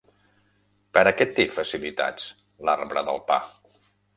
Per a què té facilitats l'arbre del pa?